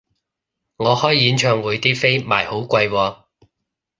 我開演唱會啲飛賣好貴喎